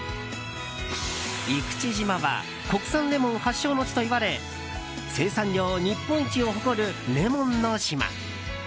生口島は国産レモン発祥の地といわれ生産量日本一を誇るレモンの島。